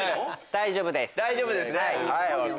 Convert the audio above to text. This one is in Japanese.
大丈夫ですね。